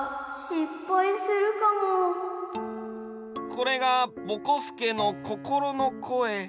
これがぼこすけのこころのこえ。